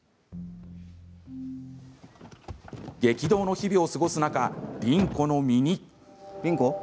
激動の日々を過ごす中凛子の身に。